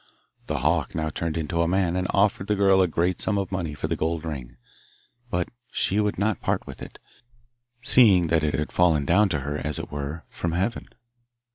The hawk now turned into a man, and offered the girl a great sum of money for the gold ring, but she would not part with it, seeing that it had fallen down to her, as it were, from Heaven.